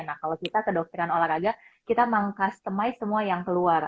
nah kalau kita kedokteran olahraga kita meng customize semua yang keluar